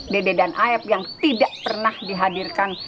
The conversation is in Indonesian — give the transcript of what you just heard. dede dan aep yang tidak pernah dihadirkan